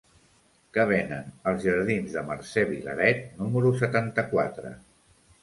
Què venen als jardins de Mercè Vilaret número setanta-quatre?